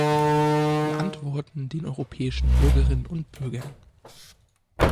Wir antworten den europäischen Bürgerinnen und Bürgern.